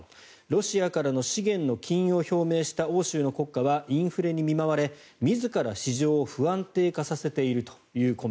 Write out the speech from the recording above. ロシアからの資源の禁輸を表明した欧州の国家はインフレに見舞われ自ら市場を不安定化させていると。